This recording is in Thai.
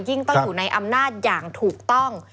ต้องอยู่ในอำนาจอย่างถูกต้อง